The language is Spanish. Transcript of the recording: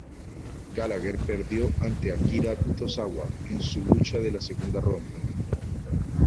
Gallagher perdió ante Akira Tozawa en su lucha de la segunda ronda.